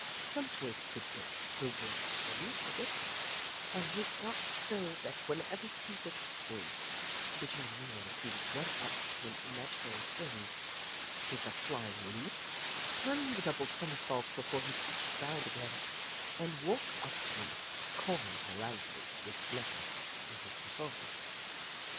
Some choice tidbit rewarded him for this, and he got so that whenever he was hungry, between meals, he would run up to an imaginary string, take the flying leap, turning the double somersault before he touched ground again, and walk up to me, cawing loudly with pleasure in his performance.